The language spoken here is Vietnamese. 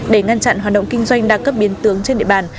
để ngăn chặn hoạt động kinh doanh đa cấp biến tướng trên địa bàn